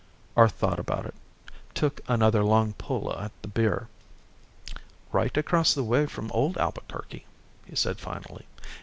Arth thought about it. Took another long pull at the beer. "Right across the way from old Albuquerque," he said finally.